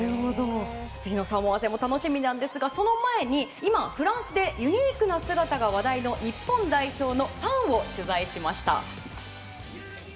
次のサモア戦も楽しみなんですがその前に、今、フランスでユニークな姿が話題の、日本代表のファンを取材しました。